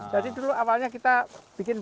jadi dulu awalnya kita bikin